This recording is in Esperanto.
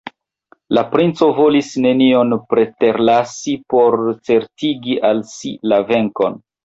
La princo volis nenion preterlasi por certigi al si la venkon.